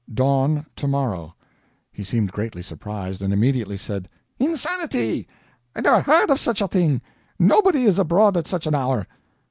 "Dawn, tomorrow." He seemed greatly surprised, and immediately said: "Insanity! I never heard of such a thing. Nobody is abroad at such an hour."